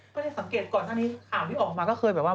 ได้สังเกตก่อนหน้านี้ข่าวที่ออกมาก็เคยแบบว่า